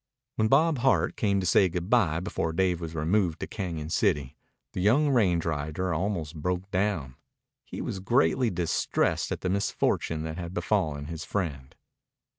When Bob Hart came to say good bye before Dave was removed to Cañon City, the young range rider almost broke down. He was greatly distressed at the misfortune that had befallen his friend.